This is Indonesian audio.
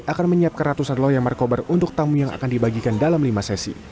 akan menyiapkan ratusan loyal markobar untuk tamu yang akan dibagikan dalam lima sesi